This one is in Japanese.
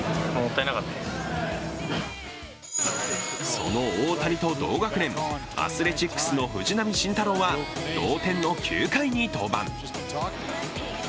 その大谷と同学年、アスレチックスの藤浪晋太郎は同点の９回に登板。